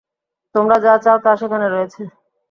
তোমরা যা চাও তা সেখানে রয়েছে।